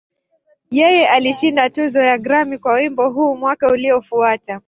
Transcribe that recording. Yeye alishinda tuzo ya Grammy kwa wimbo huu mwaka uliofuata.